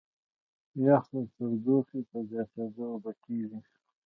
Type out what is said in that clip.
یخ د تودوخې په زیاتېدو اوبه کېږي.